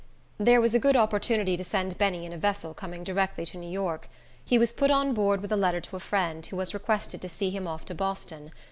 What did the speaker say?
There was a good opportunity to send Benny in a vessel coming directly to New York. He was put on board with a letter to a friend, who was requested to see him off to Boston.